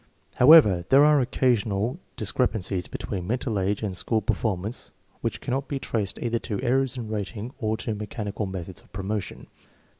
However, there are occasional discrepancies be tween mental age and school performance which can not be traced either to errors in rating or to mechani cal methods of promotion.